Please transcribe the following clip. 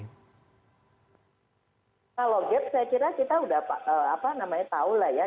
kalau gap saya kira kita udah apa namanya tau lah ya